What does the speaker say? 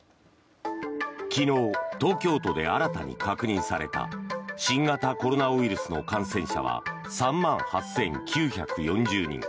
昨日、東京都で新たに確認された新型コロナウイルスの感染者は３万８９４０人。